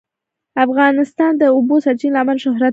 افغانستان د د اوبو سرچینې له امله شهرت لري.